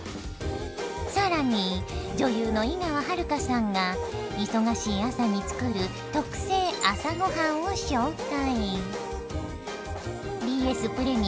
更に女優の井川遥さんが忙しい朝に作る特製朝ごはんを紹介。